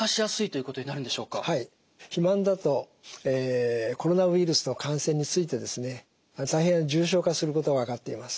はい肥満だとコロナウイルスの感染についてですね大変重症化することが分かっています。